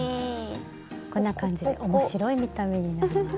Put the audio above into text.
こんな感じで面白い見た目になります。